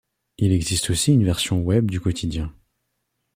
Il existe aussi une version web du quotidien.